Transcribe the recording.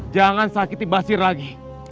jangan sakiti basir lagi